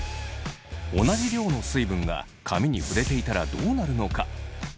同じ量の水分が髪に触れていたらどうなるのか？